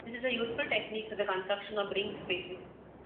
This is a useful technique for the construction of ringed spaces.